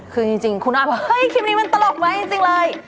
คือจริงคุณอ้อยบอกเฮ้ยคลิปนี้มันตลกไหมจริงเลย